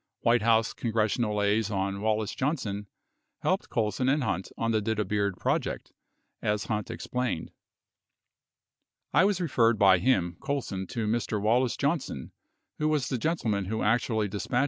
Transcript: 62 White House congressional liaison, Wallace Johnson, helped Colson and Hunt on the Dita Beard project, as Hunt explained : I was referred by him [Colson] to Mr. Wallace Johnson, who was the gentleman who actually dispatched me on the tsma.